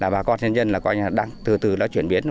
bà con nhân dân đang từ từ chuyển biến